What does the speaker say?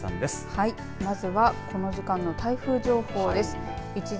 はい、まずはこの時間の台風情報です。